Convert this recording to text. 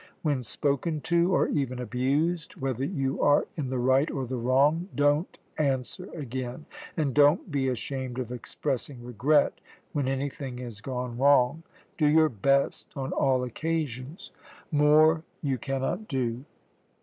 When spoken to or even abused, whether you are in the right or the wrong, don't answer again, and don't be ashamed of expressing regret when anything has gone wrong. Do your best on all occasions more you cannot do.